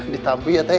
ditampil ya teh